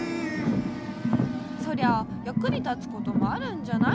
そりゃあやくにたつこともあるんじゃない？